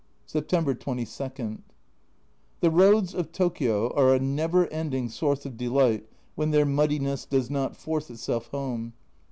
September 22. The roads of Tokio are a never ending source of delight when their muddiness does not force itself home.